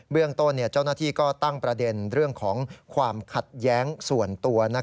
เรื่องต้นเจ้าหน้าที่ก็ตั้งประเด็นเรื่องของความขัดแย้งส่วนตัว